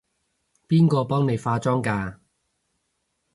邊個幫你化妝㗎？